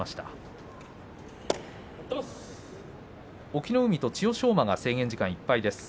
隠岐の海、千代翔馬制限時間いっぱいです。